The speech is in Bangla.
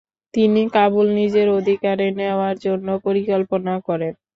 তিনি কাবুল নিজের অধিকারে নেওয়ার জন্য পরিকল্পনা করেন।